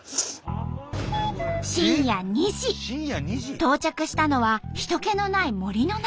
到着したのは人けのない森の中。